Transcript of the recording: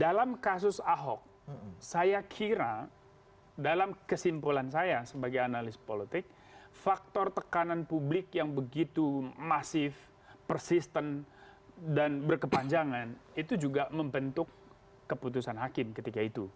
dalam kasus ahok saya kira dalam kesimpulan saya sebagai analis politik faktor tekanan publik yang begitu masif persisten dan berkepanjangan itu juga membentuk keputusan hakim ketika itu